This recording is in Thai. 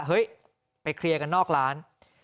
เฮ้ยไปเคลียร์กันนอกร้าน